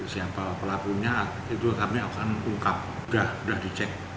siapa pelakunya itu kami akan ungkap sudah dicek